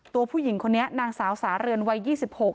ตัวผู้หญิงคนนี้นางสาวสาเรือนวัยยี่สิบหก